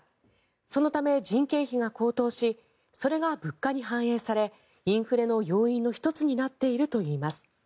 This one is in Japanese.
そのため、人件費が高騰しそれが物価に反映されインフレの要因の１つになっているといいます。